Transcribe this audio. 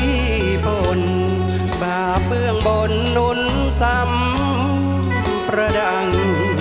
ร่วมปีฝนบาปเบื้องบนนุ้นสำประดัง